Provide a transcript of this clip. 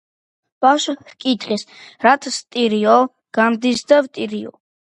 ბავშვს ჰკითხეს, რათ სტირიო, გამდის და ვტირიო